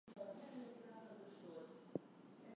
Martin started rapping at age thirteen.